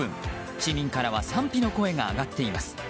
市民からは賛否の声が上がっています。